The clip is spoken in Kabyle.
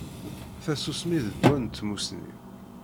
Tasusmi d dwa n tmusni.